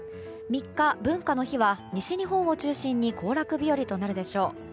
３日、文化の日は西日本を中心に行楽日和となるでしょう。